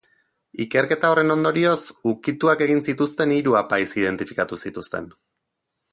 Ikerketa horren ondorioz ukituak egin zituzten hiru apaiz identifikatu zituzten.